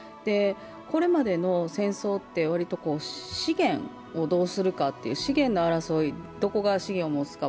これまでの戦争はわりと資源をどうするかという資源の争い、どこが資源を持つか。